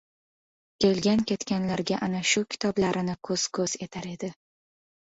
Kelgan-ketganlarga ana shu kitoblarini ko‘z-ko‘z etar edi.